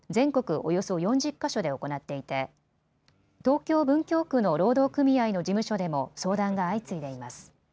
およそ４０か所で行っていて東京文京区の労働組合の事務所でも相談が相次いでいます。